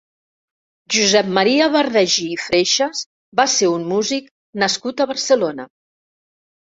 Josep Maria Bardagí i Freixas va ser un músic nascut a Barcelona.